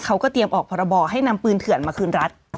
เขาก็เตรียมออกพรบให้นำปืนเถื่อนมาคืนรัฐ